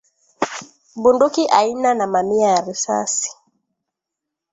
bunduki aina na mamia ya risasi